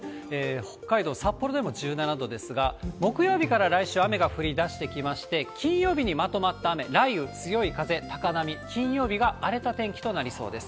北海道札幌でも１７度ですが、木曜日から来週、雨が降りだしてきまして、金曜日にまとまった雷雨、強い風、高波、金曜日が荒れた天気となりそうです。